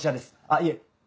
あっいえ。